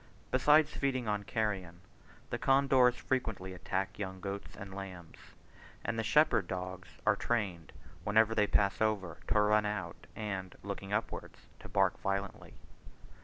Besides feeding on carrion, the condors frequently attack young goats and lambs; and the shepherd dogs are trained, whenever they pass over, to run out, and looking upwards to bark violently.